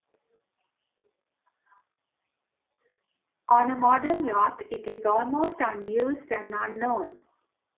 On a modern yacht, it is almost unused and unknown.